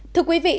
thưa quý vị